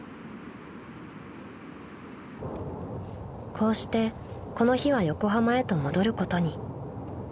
［こうしてこの日は横浜へと戻ることに］